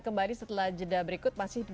kembali setelah jeda berikut masih